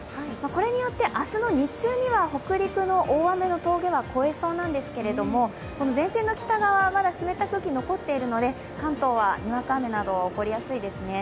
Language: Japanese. これによって明日の日中には北陸の大雨の峠は越えそうなんですけども、前線の北側はまだ湿った空気が残っているので関東はにわか雨などは起こりやすいですね。